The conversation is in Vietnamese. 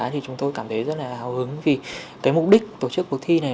thì chúng tôi cảm thấy rất là hào hứng vì cái mục đích tổ chức cuộc thi này